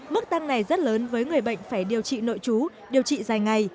mức tăng này rất lớn với người bệnh phải điều trị nội chú điều trị dài ngày